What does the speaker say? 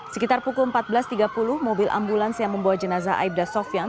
sekitar pukul empat belas tiga puluh mobil ambulans yang membawa jenazah aibda sofian